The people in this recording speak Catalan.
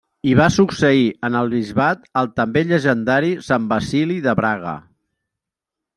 Hi va succeir en el bisbat el també llegendari Sant Basili de Braga.